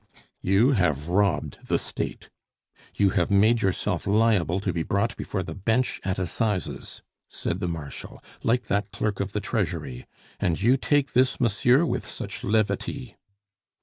"You have robbed the State! You have made yourself liable to be brought before the bench at Assizes," said the Marshal, "like that clerk of the Treasury! And you take this, monsieur, with such levity."